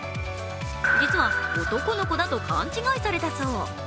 実は、男の子だと勘違いされたそう。